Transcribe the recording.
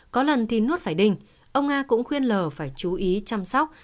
có lần thì nuốt phải đình ông nga cũng khuyên lờ phải chú ý chăm sóc